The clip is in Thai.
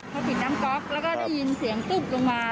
พอปิดน้ำก๊อกแล้วก็ได้ยินเสียงตุ๊บลงมา